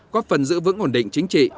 có phần giữ vững ổn định chính trị